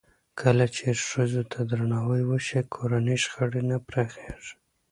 کله چې ښځو ته درناوی وشي، کورني شخړې نه پراخېږي.